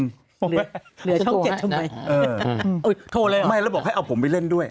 เหลือช่อง๗ใช่ไหมโทรเลยหรือเปล่าไม่แล้วบอกให้เอาผมไปเล่นด้วย